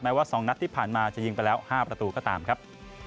ว่า๒นัดที่ผ่านมาจะยิงไปแล้ว๕ประตูก็ตามครับ